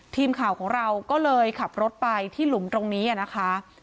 ทีมข่าวของเราก็เลยขับรถไปที่หลุมตรงนี้นะคะ